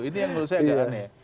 itu yang menurut saya agak aneh ya